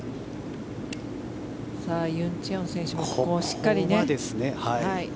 ユン・チェヨン選手もここをしっかりね。